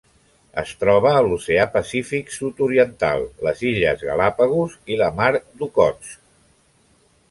Es troba a l'Oceà Pacífic sud-oriental: les Illes Galápagos i la Mar d'Okhotsk.